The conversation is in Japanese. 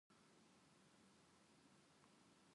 焦りこそ最大のトラップ